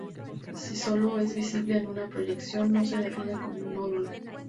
Si solo es visible en una proyección no se define como nódulo.